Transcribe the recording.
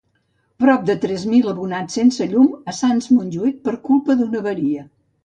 Prop de tres mil abonats sense llum a Sants-Montjuïc per culpa d'una avaria.